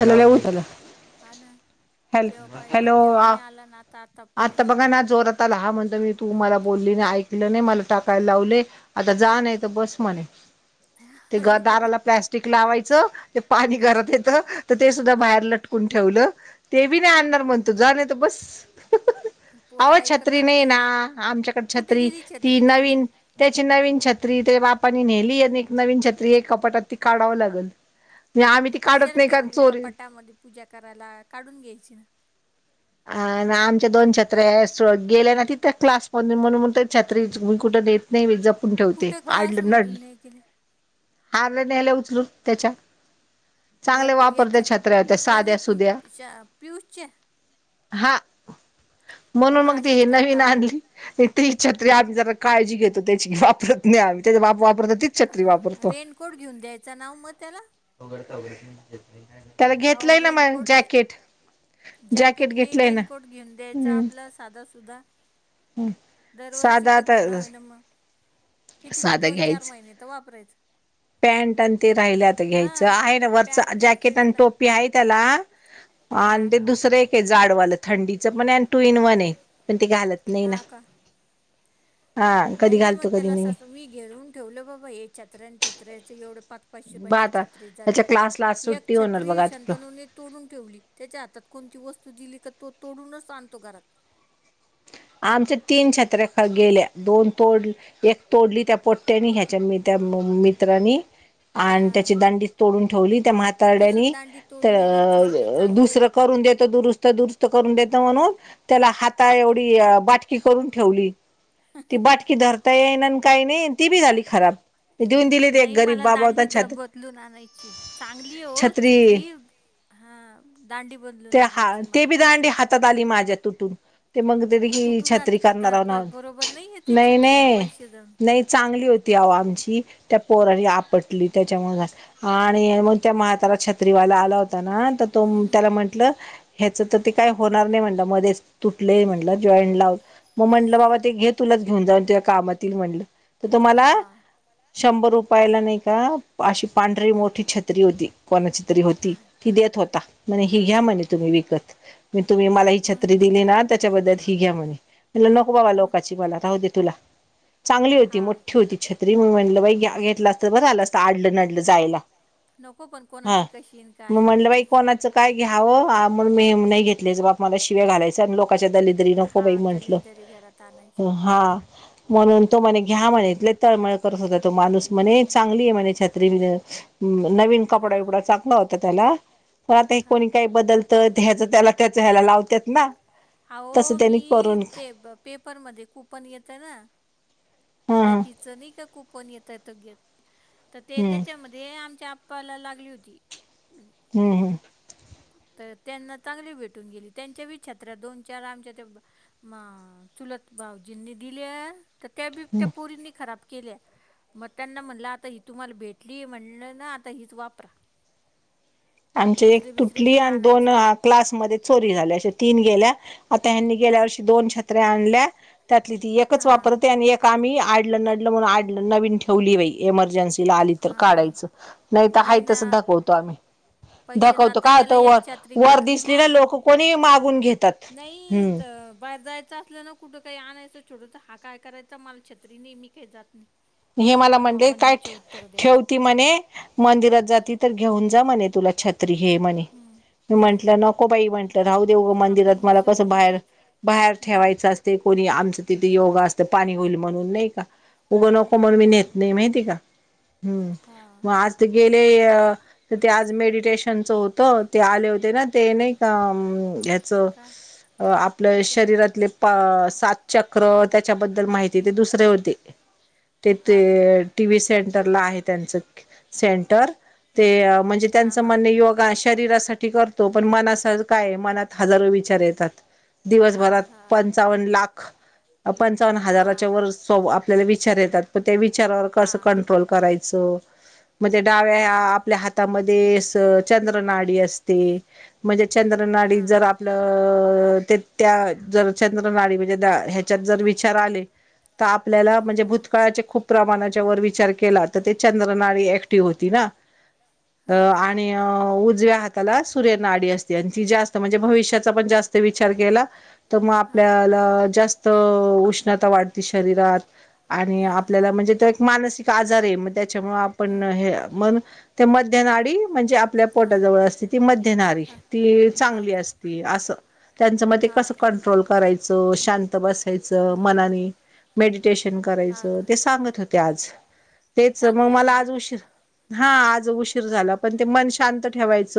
ह्याला लय उत आला. हा ना. हॅल हॅलो, हा आता बघा ना, जोरात आला हा म्हणतो मी तू मला बोलली नाही, ऐकलं नाही, मला टाकायला लावले, आता जा नाही तर बस म्हणे. ते ग दाराला प्लास्टि टिक लावायचं, ते पाणी घरात येत, तर ते सुद्धा बाहेर लटकून ठेवलं. ते बी नाही आणणार म्हणतो, जा नाही तर बस. आओ छत्री नाही ना, आमच्याकडे छत्री ती नवीन त्याची नवीन छत्री, तेजा बापानी नेली आणि एक नवीन छत्री एक कपाटात हाय, ती काढाव लागल. नाही आम्ही ती काढत नाही का? कपाटामध्ये पूजा करायला काढून घ्यायची ना. अ हा ना आमच्या दोन छत्र्या आहेत, सो गेले ना तिथ, त्या क्लास पण म्हणून म ते छत्री विसरून कुठे देत नाही मी नेहमी जपून ठेवते. आडलं नडल हारलं न्यायला उचलून त्याच्या चांगले वापरत्यात छत्र्या त्या साध्या सुध्या पियुषच्या? हा. म्हणून मग ती हे नवीन आणली. ती छत्रि आम्ही जरा काळजी घेतो, त्याची वापरत नाही आम्ही त्याचे बाप वापरतो. तीच छत्री वापरतो. त्याला घेतलंय ना मग जॅकेट जॅकेट नाही रेनकोट घेऊन द्यायचा आपला साधा सुद्धा हं दरवर्षी का घेन होईना मग किती दोन, चार महिने तर वापरायच पॅन्ट आणि ते राहिले तर घ्यायचं आहे ना वरचं जॅकेट आणि टोपी आहे त्याला आणि ते दुसरं एक आहे जाडवालं थंडीच पण आहे आणि टु इन वन आहे पण ते घालत हा का नाही मग त्याला स मी घेऊून ठेवलं बाबा हे छत्र्यान चुत्र्याचे एवढं प पाशेपाची छत्री जाती एक छत्री शंतनुनी तोडून ठेवली त्याच्या हातात कोणती वस्तू दिली तर तो तोडूनच आणतो घरात आमचे तीन छत्र्या गेल्या दोन तोडल्या एक तोडली त्या पोट्ट्यांनी ह्याच्या म ह्याच्या मित्रांनी आणि त्याचे दांडी तोडून ठेवली त्यामुळे महातारड्यानी तर दुसरं करून देतो दुरुस्त दुरुस्त करून देत म्हणून त्याला हाता एवढी बाटकी करून ठेवली ती बाटकी धरता येईन आणि काही नाही ती बी झाली खराब नाही मला दांडी द बदलून आणायची चांगली हो छत्री हा दांडी बदलून आणायची मला हातात आली माझ्या तुटून म छत्री करणार नाही नाही नाही चांगली होती. त आवो आमची त्या पोराने आपटली त्याच्यामुळ आणि मग त्या म्हातारा छत्रीवाला आला होता ना तो त्याला म्हंटलं ह्याच तर ते काय होणार नाही म्हण मध्येच तु क म्हटल जॉईंन लाव मग म्हटलं बाबा ते घे तुलाच घेऊन जाऊन कामात येईल म्हटलं तर तुम्हाला शंभर रुपयाला नाही का अशी पांढरी मोठी छत्री होती. कोणाची तरी होती ती देत होता. म्हणे हि घ्या म्हणे तुम्ही विकत म तुम्ही मला ही छत्री दिली ना त्याच्याबद्दल ही घ्या म्हणे तुला नको बाबा लोकची मला आता हो राहुदे तुला चांगली होती मोठ्ठी होती छत्री म म्हटलं बाई घेतला असत बर झाल असता आडलं नडलं जायला. नको पण कोणाची कशी आणि काय उगतच काय घ्यावंण मेह नाही घेतल्याच बाप मला शिव्या घालायचं आणि लोकांच्या दरिद्री नको बाई म्हटलं हा म्हणून तो म्हणे घ्या म्हणे इतले तळमळ करत होता तो माणूस म्हणे चांगली आहे म्हणे छत नवीन कपडा विपडा चांगला होता. त्याला पण आता हे कोणी काही बदल तर ह्याचं त्याला त्याच ह्याला लावतात ना. होह मी ते पेपरमध्ये कूपन येत ना. लकीच नाही का कुपन येत येत घेत तर ते त्याच्यामध्ये. ते आमच्या आप्पाला लागली होती. हम्म हम्. तर त्यांना चांगली भेटून गेली त्यांच्या वि छात्रा दोन चार आमच्या त्या.. म चुलत भाऊजींनी दिल्या तर त्या बी पोरीनी खराब केल्या मग त्यांना म्हणलं आता ही तुम्हाला भेटली म्हणलं ना आता हीच वापरा आमची एक तुटली आणि दोन क्लासमध्ये चोरी झाल्या अ तीन गेल्या आता ह्यानी गेल्या वर्षी दोन छत्र्या आणल्या त्यातली ती एकच वापरते आणि एक आम्ही आडलं नडलं म्हणूनलं नवीन ठेवली बाई एमर्जन्सी आली तर काढायच नाही तर हा तस दाखवतो आम्ही दाखवतो का आता वर वर दिसली ना लोक कोणी मागून घेत नाही तर बाहेर जायच असल ना. कुठ काही आणायच छोडच हा काय करायचा मला छत्री नेहीमी काही जात ना. हे मला म्हणले काय ठे ठेव. ती म्हणे मंदिरात जाती तर घेऊन जा म्हणे तुला छत्री हे म्हणे. मी म्हंटल नको बाई म्हटल राहूदेेव मंदिरात मला कस बाहेर बाहेर ठेवायच अस.. ते कोणी आमचं तिथे योगा असत पाणी होईल म्हणून नाही का उग नको म्हण मीने... लय माहिती का् मग आज त गेले अ. तर ते आज मेडिटेशनच होत ते आले होते ना ते नाही का अं ह्याच. अ आपल्या शरीरातले पा सात चक्र त्याच्याबद्दल माहिती ते दुसरे होते. ते टी वी सेंटरला आहे त्यांच सेंटर. ते म्हणजे त्यांचं म्हणणे योगा शरीरासाठी करतो पण मनासह काय मनात.. हजारो विचार येतात दिवसभरात पंचावन्न लाख. पंचावन्न हजाराच्या वर आपल्याला विचार येतात प त्या विचारावर कसं कंट्रोल.. कराच म्हणजे डव्या आपल्या हातामध्ये स चंद्र नाडी असते म्हणजे चंद्र नाडी त जर आपल... अ ते त्या जर... चंद्र नाडी म्हणजे ह्याच्यात जर विचार आले तर आपल्याला म्हणजे भूत... काळाचे खूप प्रमाणाच्या वर विचार केला तर ते चंद्रनाळी ऍक्टिव्ह होती ना. अ आणि उजव्या हाताला सूर्य नाडी असते आणि ती जास्त म्हणजे भविष्यात.. पण जास्त विचार केला. त मग आपल्याला जास्त उष्णता वाढते शरीरात. आणि आपल्याला म्हणजे तो एक मानसिक आजार हे मग त्याच्यामुळ आपण हे मन... ते मध्य नाडी म्हणजे आपल्या पोटाजवळ असते ती मध्य नारी. ती चांगली असती आस. त्यांच मध्ये कस कंट्रोल करायच शांत बसायच मनाने मेडिटेश.. करायच ते सांगत होते आज तेच मग मला आजुन.. उशीर हा आज उशीर झाला पण ते मन शांत ठेवायच स..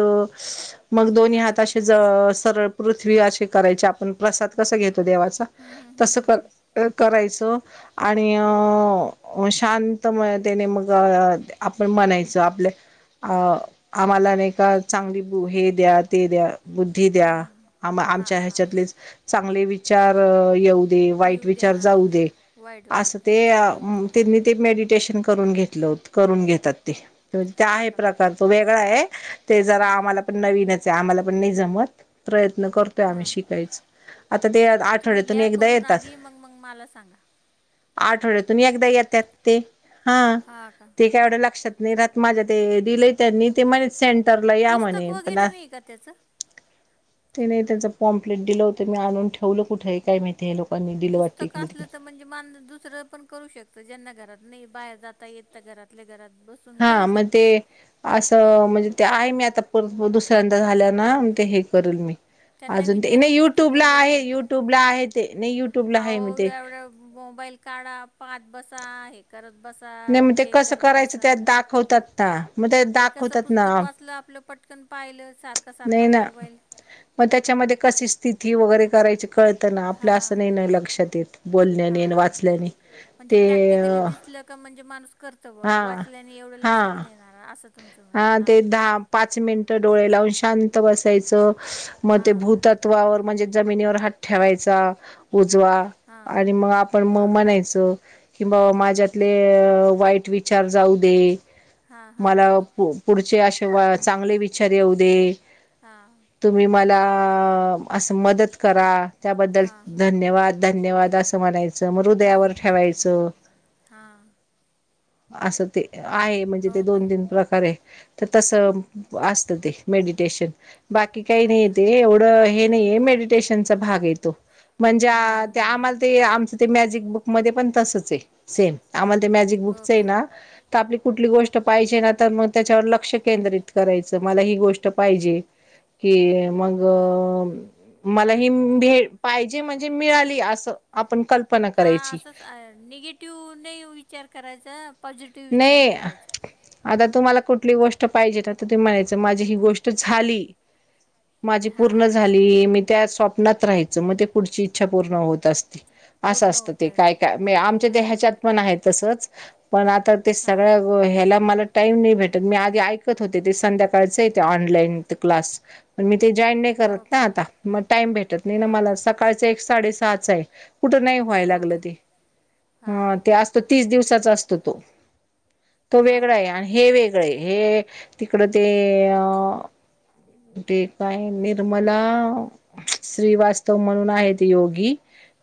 मग दोन्ही हात असे सरळ पृथ्वी असे करायची आपण प्रसाद कसा घेतो देवाचा. तस कर करायचं आणि अ शांतम... त्याने मग आपण म्हणायचं आपल्या अ आम्हालाने का.. चांगली हे द्या ते द्या बुद्धी द्या आम आमच्या ह्याच्यातलेच... चांगले विचार येऊ दे वाईट विचार जाऊ दे. अस ते त्यांनी ते मेडिटेशन करून घेत. करून घात तेण आहे प्रकार तो वेगळा आहे ते जर आम्हाला.. ण नवीन आम्हाला पण नाही जमत प्रयत्न कर... आम्ही शिकायच आता ते आठवड्यातन एकदा येतात. मंग माला सांगा. आठवड्यातून एकदा येतात ते हा ते. वढ्या लक्षात नाही रात माझ्या ते दिले त्यांनी. ते म्ह सेंटरला या म्हणे पण. ते नाही त्यांच पॉम्पलेट दिलं होतं मी आणून ठेवलं कुठेही काय माहिती हे लोक पुस्तकं असलं तर. म्हणजे मा दुसरं पण करू शकत ज्यांना घरात नाही बाहेर जाता येत घरातल्या घरात बस. हा मग ते. अस म्हणजे ते आई मी आता परत दुसऱ्यांदा झाल्या ना ते हे करेल मी. अजून ते नाही युट्यूबला आहे युट्यूबला आहे ते नाही युट्यूबला आहे मी ते... मोबाईल काढा पाहत बसा हे करत बसा ते करत बसा. दाखवतात ना मग त्यात. हे कस पुस्तक वाचल आपल पटकन पाहिल सार.. नाही ना मग त्याच्यामध्ये कशी स्थिती वगैरे करायची. कळत ना आपल्या अस नाही नाही लक्षात येत बोलण्याने आणि वाचल्याने तेअ. म्हणजे माणूस करत बा वाचल्याने एवढं लक्षात नेणारा असं तुमचं म्हण हा पाच मिनिटं डोळे लावून शांत बसायचं मग ते भूतत्वावर म्हणजे. जमिनीवर हात ठेवायचा उजवा आणि मग आपण मग म्हणायचं. किंवा माझ्यातले वाईट वि विचार जाऊ दे मला पुढचे असे चांगले विचार येऊ दे. हां. तुम्ही मला असं मदत करा त्याबद्दल धन्यवाद धन्यवाद असं म्हणायचं मग हृदयावर ठेवायचं. हां. असं ते आहे म्हणजे ते दोन तीन प्रकारे तर तसं. असत ते मेड ेश बाकी काही नाही येते एवढं हे नाहीये मेडिटेशनचा भाग येतो. म्हणजे ते आम्हाला ते आमचं ते मॅजिक बुकमध्येध्ये पण तसच आहे. सेम आम्हाला ते मॅजिक बुकच आहे ना. तर आपली कुठली गोष्ट पाहिजे ना तर मग त्याच्यावर लक्ष केंद्रित करायचं मला ही गोष्ट पाहिजे की मग मला ही भे पाहिजे म्हणजे मिळाली असं. हा असंच निगेटिव्ह नाही विचार करायचा. नाही. आता तुम्हाला कुठली गोष्ट पाहिजे तर तु म्हणायचं माझी ही गोष्ट झाली. माझी पूर्ण झाली मी त्या स्वप्नात राहायचं मग ते पुढची इच्छा पूर्ण होत असती. असं असतं ते काय काय आमच्या देहाच्यात पण आहे तसंच पण आ. तर ते सगळं ह्याला मला टाईम नाही भेटत मी आधी ऐकत होते ते संध्याकाळी कळचं य ते ऑनलाईन क्लास पण मी ते जॉईन नाही करत ना आता मग टाइम भेटत नाही ना मला सकाळच एक साडे सहा आहे कुठ नाही. व्हाय लागलं ते ह ते असत तीस दिवसाचा असतो तो वेगळं आहे आणि हे वेगळं हे तिकड ते. ठीकय निर्मला श्रीवास्त त म्हणून आहेत योगी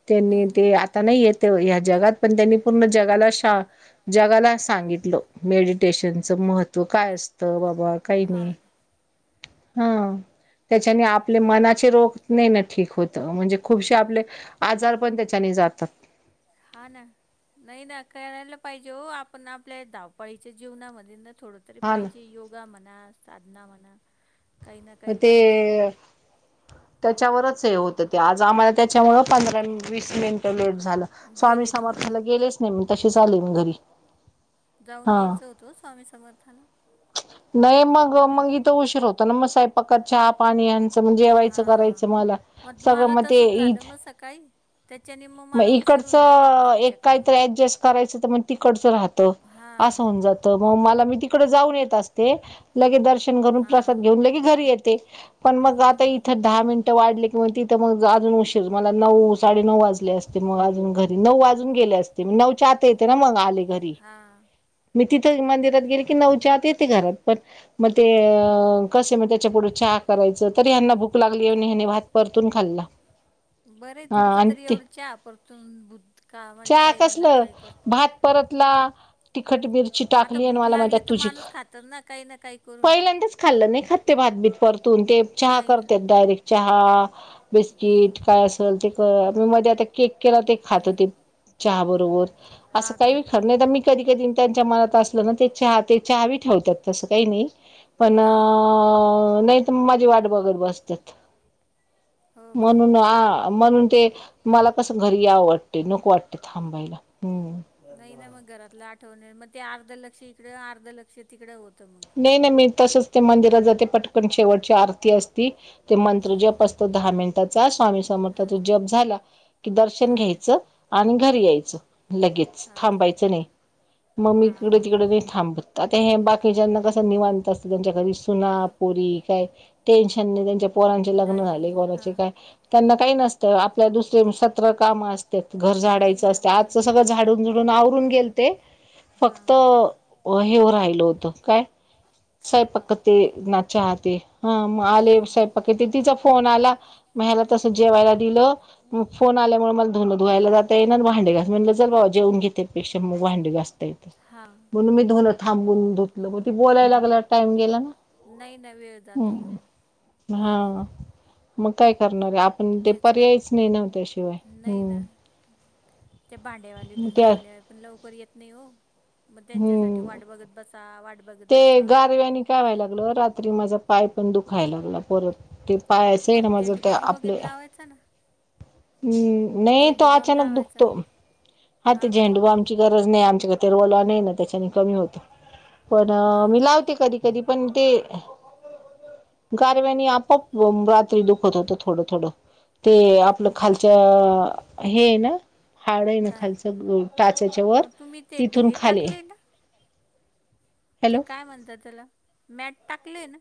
त्यांनी ते आता नाही येत ह्या जगात पण त्यांनी पूर्ण जगाला श जगाला सांगितलं मेडिटेशनचं महत्व तू काय असत बाबा काही नाही हा. त्याच्याने आपले मनाचे रोग नेण ठीक होत म्हणजे खूपसे आपले. आजार पण त्याच्याने जातात. हा ना. नाही ना करायला पाहिजे हो आपण आपल्या धवपाळीच्या जीवनामध्ये ना थोडं. तरी पाहिजे योगा म्हणा साधना म्हणा काही ना काही पाहिजे. त्याच्यावरच हे होत. आज आम्हाला त्याच्यामु पंधरा वीस मिनिट लेट झालं स्वामी समर्थाला गेले. नाही मी तशीच चाले मी घरी जाऊन यायचं होतं स्वामी समर्थाला नाही मग मग इथ उशीर होत ना मग साईपाक पाणी यांचं म्हण जेवायचं करायचं मला सगळं मग ते ईद मग इकडचं एक काहीतरी ऍडजस्ट करायचं तर मग तिकडचं राहत. जात म मी त जाऊनेत असे दर्. ून प्रसाद घेऊन की घरी येते. पण मग आता इथं दहा मिनटं वाढले किं तिथं मग अजून उशीच मला नऊ साडेनऊ वाजले असते. ते मग अजून घरी नऊ वाजून गेले असते म नऊच्या आता येते ना मग आले घरी हां. मी तिथं मंदिरात गेली की नवं. [unintelligible] येते घरात पण मग ते कस म त्याच्या पुढ चहा करायच तरी ह्यांना भूक लागलीन हने [unintelligible] भात परतून खाल्ला. बरं तुमचं तरी एवढं. [unintelligible] तून बुद्ध. चहा कसलं भात परतला तिखट मिरची टाकली आणि मला माझत तुझी पहिल्यांदाच खाल्लं नाही खात भातबीत परतून ते चहा करत डायरेक् चहा बिस्किट काय असेल ते कर मध्ये केक केला ते खात होते चहा बरोबर असं काही नाही मी कधी कधी त्यांच्या मनात असल ना ते चहा ते चहावी ठेवतात तसं काही नाही. पण अ नाही तर माझी वाट बघत बसत्यात. म्हणून आ म्हणून ते मला कस घरी यावं वाटते नकू वाटते थांबायला हम् नाही ना मग घरातलं आठवणे मग ते अर्ध लक्ष इकड अर्ध लक्ष तिकडं होतं मग. नाही नाही मी तसच ते मंदिरात जाते पटकन शेवटची आरती असती. ते मंत्र जप असतो दहा मिनिटाचा स्वामी समर्थात जप झाला. कि दर्शन घ्यायचं आणि घरी यायचं लगेच थांबायचं नाही मम्मी इकडे तिकडे नाही थांब. आता हे बाकी जना कसं निवांत असत त्यांच्याक सुनापोरी काय टेन्शनने त्यांच्या पोरांचे लग्न झाले कोणाचे काय? त्यांना काही नसतं आपल्या दुसरे सत्र काम असते घर झाडायचं असते. अस सगळं झाडून झुडून आवरून गेल ते फक्त हेव राहिल होत काय साहेब पक्क ते नाच्याहाती हा मग आले साहेब पक तिचा फोन आला मग ह्याला तस जेवायला दिलं मग फोन आल्यामुळे मला धून धुवायला जाता ये ना भांडेगा म्हणलं चल बा जेन घेते पेक्षा मग भांडे घासता येत म्हणून मी धोनं थांबूनधुतलं मग ती बोलायला लागला [unintelligible] टाईम गेला ना हा मग काय करणार आहे आपण ते पर्यायच नाही ना त्याशिवाय हम्म. ते भांड्यावाले धुन्यावाले पण लवकर येत नाही हो मग त्यांच्यासाठी वाट बघत बसा वाट ते गारव्यानी का व्हायला लागलं रात्री माझा पाय पण दुखायला लागला परत. ते पायाचं आहे ना माझं ते आपले. चला [unintelligible] हम्म नाही तो अचानक दुखतो हात झेंडू बम गरज नाही आच्या त्या क होत पण मी ला कधी कधी पण ते. कारारवानी आपआप रात्री दुखत होतो थोडं थोडं. ते आपलं खालच्या हे ना. हाड आहे ना खालचं टाचच्या वर. मी ते भे हे टाकले ना. हॅलो! काय म्हणत त्याला? मॅट टाकले ना.